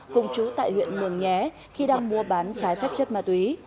cùng chú tại huyện mường nhé khi đang mua bán trái phép chất ma túy